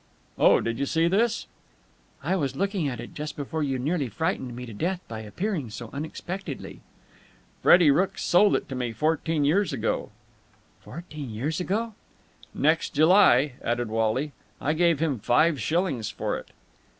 "Oh, did you see this?" "I was looking at it just before you nearly frightened me to death by appearing so unexpectedly." "Freddie Rooke sold it to me fourteen years ago." "Fourteen years ago?" "Next July," added Wally. "I gave him five shillings for it."